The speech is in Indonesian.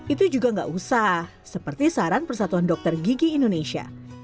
itu juga nggak usah seperti saran persatuan dokter gigi indonesia